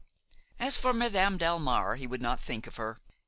As for Madame Delmare, he would not think of her.